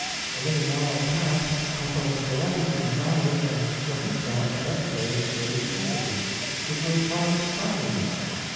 A little while past papa was delighted with the knowledge of what he thought the best way of curing a cold, which was by starving it.